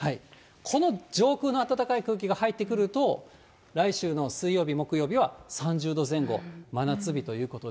この上空の暖かい空気が入ってくると、来週の水曜日、木曜日は３０度前後、真夏日ということで。